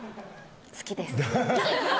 好きです。